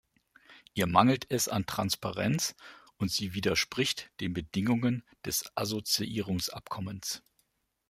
Ihr mangelt es an Transparenz, und sie widerspricht den Bedingungen des Assoziierungsabkommens.